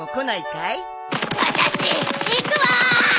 私行くわー。